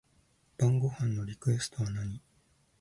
晩ご飯のリクエストは何